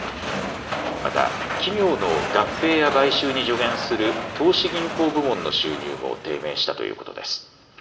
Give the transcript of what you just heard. また企業の合併や買収に助言する投資銀行部門の収入も低迷したということです。